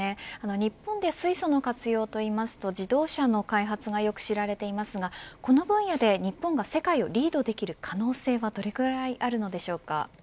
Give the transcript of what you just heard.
日本で水素の活用と言いますと自動車の開発がよく知られていますがこの分野で日本が世界をリードできる可能性はどのぐらいあるのでしょうか。